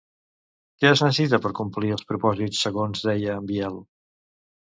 Què es necessita per complir els propòsits, segons deia en Biel?